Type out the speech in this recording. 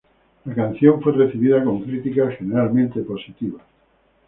La canción fue recibida con críticas generalmente positivas.